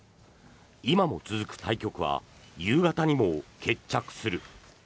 今も続く対局は夕方にも決着する。